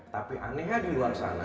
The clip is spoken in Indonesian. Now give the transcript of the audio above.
tapi anehnya di luar sana